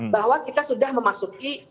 bahwa kita sudah memasuki